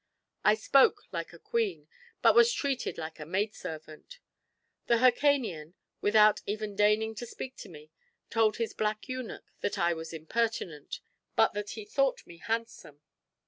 I spoke like a queen, but was treated like a maidservant. The Hircanian, without even deigning to speak to me, told his black eunuch that I was impertinent, but that he thought me handsome.